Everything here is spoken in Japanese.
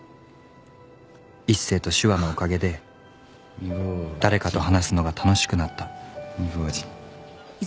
一星と手話のおかげで誰かと話すのが楽しくなった。